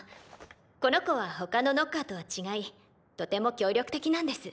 この子は他のノッカーとは違いとても協力的なんです。